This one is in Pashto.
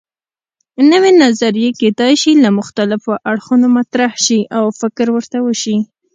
نوې نظریې کیدای شي له مختلفو اړخونو مطرح شي او فکر ورته وشي.